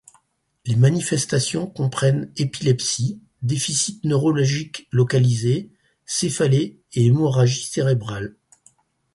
Les manifestations comprennent épilepsie, déficit neurologique localisé, céphalée et hémorragie cérébrale.